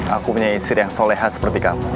aku punya istri yang solehat seperti kamu